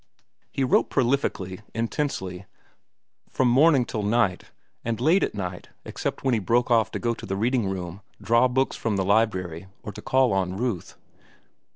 He wrote prolifically, intensely, from morning till night, and late at night, except when he broke off to go to the reading room, draw books from the library, or to call on Ruth.